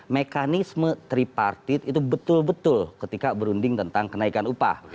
mekanisme tripartit itu betul betul ketika berunding tentang kenaikan upah